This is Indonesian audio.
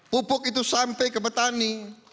pupuk itu sampai ke petani